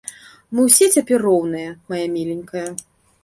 Мы ўсе цяпер роўныя, мая міленькая.